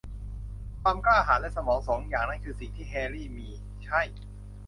ความกล้าหาญและสมอง สองอย่างนั้นคือสิ่งที่แฮรี่มี -ใช่